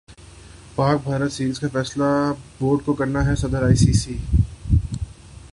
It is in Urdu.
پاک بھارت سیریز کا فیصلہ بورڈ زکو کرنا ہےصدر ائی سی سی